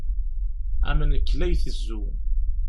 Am nekk la itezzu.